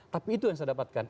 tapi itu yang saya dapatkan